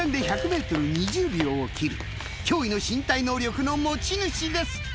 驚異の身体能力の持ち主です。